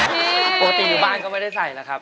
ปกติอยู่บ้านก็ไม่ได้ใส่แล้วครับ